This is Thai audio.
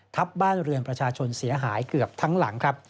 ทับบ้านเรือนประชาชนเสียหายเกือบทั้งหลังครับ